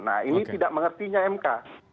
nah ini tidak mengertinya mk